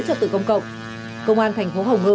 trật tự công cộng công an thành phố hồng ngự